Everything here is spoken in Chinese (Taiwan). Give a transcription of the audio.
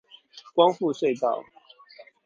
光復隧道